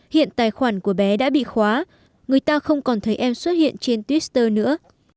hiện tài khoản của bé đã bị khóa người ta không còn thấy em xuất hiện trên twitter nữa